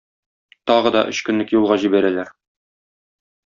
Тагы да өч көнлек юлга җибәрәләр.